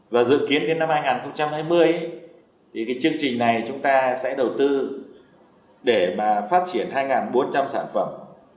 để giúp chúng ta gần tới năm hai nghìn hai mươi chương trình này sẽ đầu tư để phát triển hai bốn trăm linh sản phẩm